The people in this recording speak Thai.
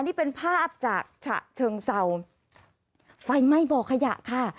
นี่เป็นภาพจากฉะเชิงเศร้าไฟไหม้บ่อขยะค่ะ